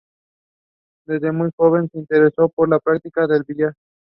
Desde muy joven se interesó por la práctica del billar.